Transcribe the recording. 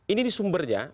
ini di sumbernya